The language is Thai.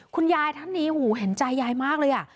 คุณยายท่านนี้หูเห็นใจยายมากเลยอ่ะ